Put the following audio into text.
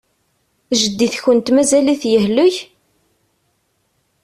Jeddi-tkent mazal-it yehlek?